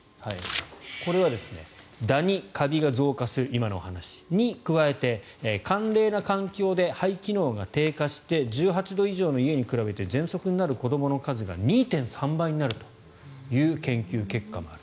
これはダニ・カビが増加する今のお話に加えて寒冷な環境で肺機能が低下して１８度以上の家に比べてぜんそくになる子どもの数が２．３倍になるという研究結果もある。